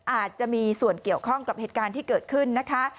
อาจจะมีส่วนเกี่ยวข้องกับเหตุการณ์ที่เกิดขึ้นนะคะ